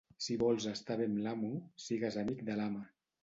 Si vols estar bé amb l'amo, sigues amic de l'ama.